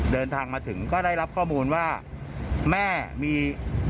เดินทางมาถึงก็ได้รับข้อมูลว่าแม่มี